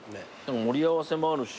盛り合わせもあるし。